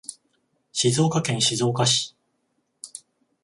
静岡県静岡市